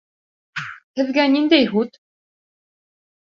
Һеҙгә ниндәй һут?